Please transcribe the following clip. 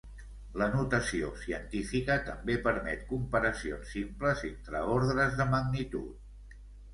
La notació científica també permet comparacions simples entre ordres de magnitud.